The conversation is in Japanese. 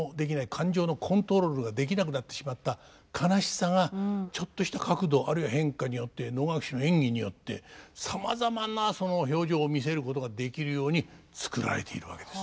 感情のコントロールができなくなってしまった悲しさがちょっとした角度あるいは変化によって能楽師の演技によってさまざまなその表情を見せることができるように作られているわけです。